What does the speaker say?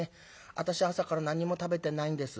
私は朝から何も食べてないんです」。